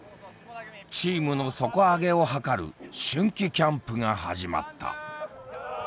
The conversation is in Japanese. チームの底上げをはかる春季キャンプが始まった。